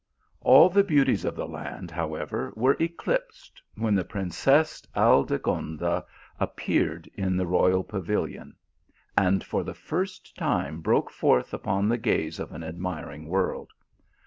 All the beauties of the land, however, were eclipsed, when the princess Aldegonda appeared in the royal pavilion, and for the first time broke forth upon the gaze of an admiring world.